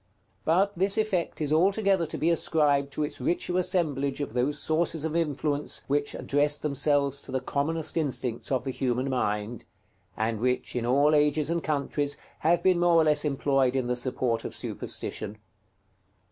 But this effect is altogether to be ascribed to its richer assemblage of those sources of influence which address themselves to the commonest instincts of the human mind, and which, in all ages and countries, have been more or less employed in the support of superstition.